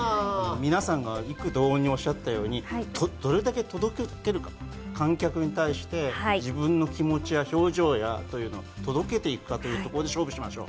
皆さんが異口同音におっしゃったように、どれだけ届けるか、観客に対して自分の気持ちや表情を届けていけるかということにしましょう。